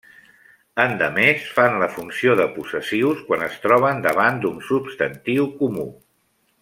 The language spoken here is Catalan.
Endemés fan la funció de possessius quan es troben davant d'un substantiu comú.